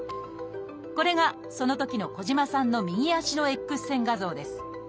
これがそのときの児島さんの右足のＸ線画像です。